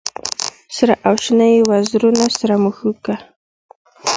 سره او شنه یې وزرونه سره مشوکه